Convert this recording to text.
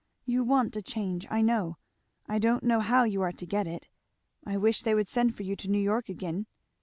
"You want a change, I know. I don't know how you are to get it. I wish they would send for you to New York again."